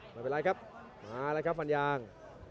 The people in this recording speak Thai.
ไม่เป็นไรครับมาแล้วครับฟันยาง